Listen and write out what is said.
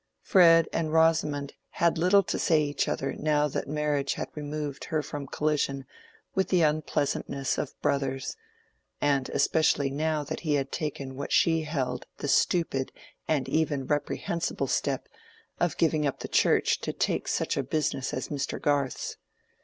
Fred and Rosamond had little to say to each other now that marriage had removed her from collision with the unpleasantness of brothers, and especially now that he had taken what she held the stupid and even reprehensible step of giving up the Church to take to such a business as Mr. Garth's.